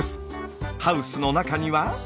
ハウスの中には。